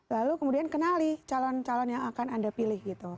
lalu kemudian kenali calon calon yang akan anda pilih gitu